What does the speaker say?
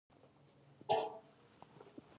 ازادي راډیو د عدالت بدلونونه څارلي.